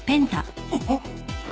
・あっ！